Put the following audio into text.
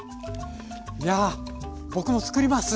いや僕も作ります。